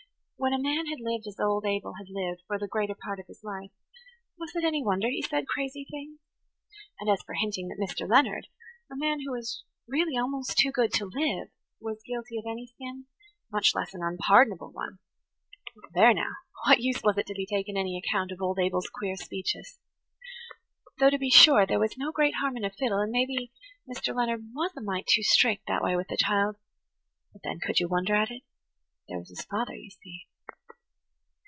When a man had lived as old Abel had lived for the greater part of his life, was it any wonder he said crazy things? And as for hinting that Mr. Leonard, a man who was really almost too good to live, was guilty of any sin, much less an unpardonable one–well, there now! what use was it to be taking any account of old Abel's queer speeches? Though, to be sure, there was no great harm in a fiddle, and maybe [Page 82] Mr. Leonard was a mite too strict that way with the child. But then, could you wonder at it? There was his father, you see.